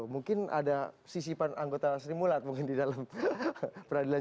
mungkin ada sisipan anggota sri mulat mungkin di dalam peradilan